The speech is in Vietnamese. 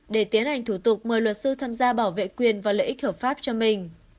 để tiến hành thủ tục mời luật sư tham gia bảo vệ quyền và lợi ích hợp pháp cho mình